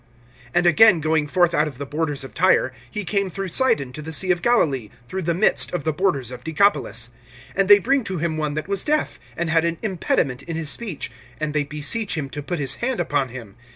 (31)And again going forth out of the borders of Tyre, he came through Sidon to the sea of Galilee, through the midst of the borders of Decapolis. (32)And they bring to him one that was deaf, and had an impediment in his speech; and they beseech him to put his hand upon him.